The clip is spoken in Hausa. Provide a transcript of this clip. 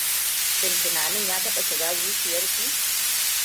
Shin tunanin ya taɓa shiga zuciyar ku?